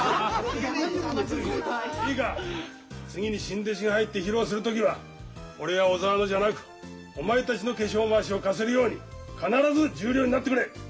いいか次に新弟子が入って披露する時は俺や小沢のじゃなくお前たちの化粧まわしを貸せるように必ず十両になってくれ。